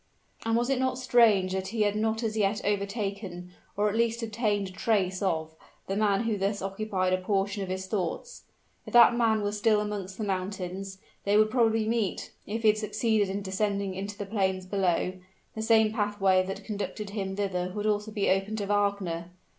And was it not strange that he had not as yet overtaken, or at least obtained a trace of, the man who thus occupied a portion of his thoughts? If that man were still amongst the mountains, they would probably meet; if he had succeeded in descending into the plains below, the same pathway that conducted him thither would also be open to Wagner.